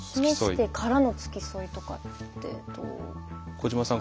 小島さん